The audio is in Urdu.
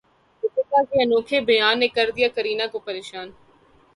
دیپیکا کے انوکھے بیان نے کردیا کرینہ کو پریشان